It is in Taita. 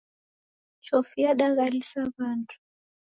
Chofi yadaghalisa w'andu.